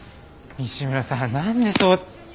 西村さん何でそう。